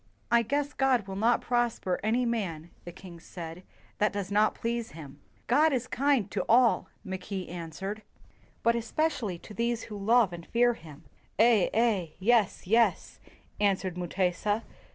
"I guess God will not prosper any man," the king said, "that does not please him." "God is kind to all," Mackay answered, "but especially to these who love and fear him. '' "Eh, Eh" ["Yes, Yes"] answered Mu tesa.